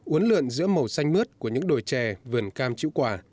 uốn lượn giữa màu xanh mướt của những đồi chè vườn cam chữ quả